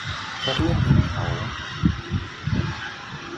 กระเบื้องดินเผา